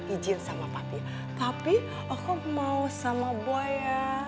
ijin sama papi tapi aku mau sama boy ya